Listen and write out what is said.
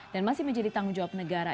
dan masih menjadi tanggung jawab negara